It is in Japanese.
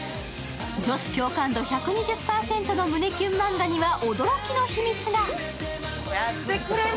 女子共感度１２０％の胸キュンマンガには驚きの秘密が。